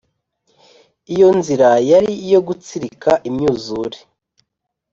iyo nzira yari iyo gutsirika imyuzure.